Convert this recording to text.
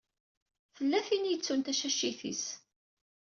Tella tin i yettun tacacit-is.